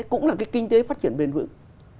cũng là cái kinh tế phát triển bền vững